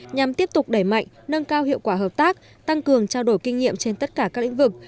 nhằm tiếp tục đẩy mạnh nâng cao hiệu quả hợp tác tăng cường trao đổi kinh nghiệm trên tất cả các lĩnh vực